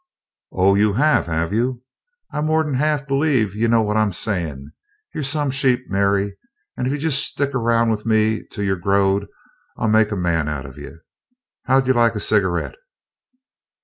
"Oh, you have have you? I more'n half believe you know what I'm sayin'. You're some sheep, Mary, an' if you jest stick 'round with me till you're growed I'll make a man of you. How'd you like a cigarette?"